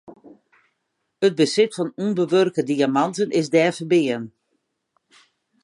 It besit fan ûnbewurke diamanten is dêr ferbean.